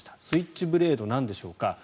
スイッチブレードとはなんでしょうか。